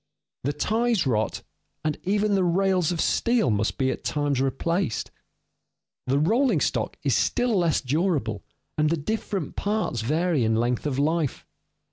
The ties rot, and even the rails of steel must be at times replaced. The rolling stock is still less durable, and the different parts vary in length of life.